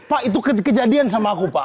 pak itu kejadian sama aku pak